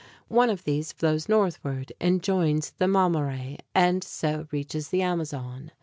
One of these flows northward and joins the Mamoré (mah mo ray´) and so reaches the Amazon.